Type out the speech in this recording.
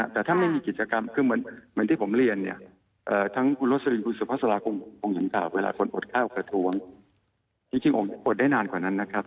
อดข้าวกระทวงจริงผมจะอดได้นานกว่านั้นนะครับ